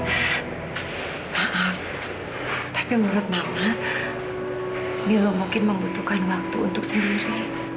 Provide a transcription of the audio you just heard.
maaf tapi menurut mama bilo mungkin membutuhkan waktu untuk sendiri